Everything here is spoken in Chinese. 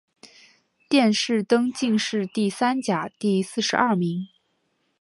殿试登进士第三甲第四十二名。